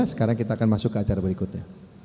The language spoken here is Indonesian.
sekarang kita akan masuk ke acara berikutnya